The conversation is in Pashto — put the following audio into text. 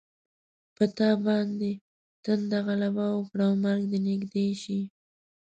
په تا باندې تنده غلبه وکړي او مرګ دې نږدې شي.